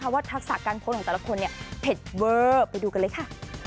ทักษะการโพสต์ของแต่ละคนเนี่ยเผ็ดเวอร์ไปดูกันเลยค่ะ